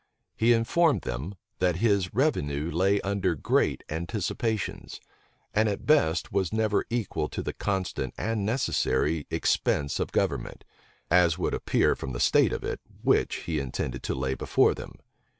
He informed them, that his revenue lay under great anticipations, and at best was never equal to the constant and necessary expense of government; as would appear from the state of it, which he intended to lay before them.